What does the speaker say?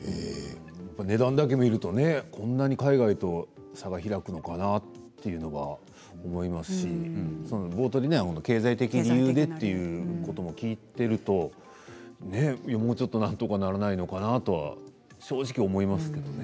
値段だけ見るとこんなに海外と差が開くのかなっていうのは思いますし冒頭に経済的理由でということも聞いているともうちょっとなんとかならないのかなとは正直思いますけどね。